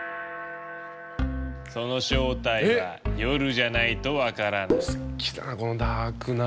その正体は夜じゃないと分からない。